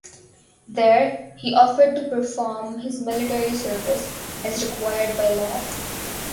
There, he offered to perform his military service, as required by law.